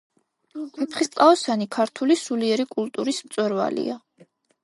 ვეფხისტყაოსანი ქართული სულიერი კულტურის მწვერვალია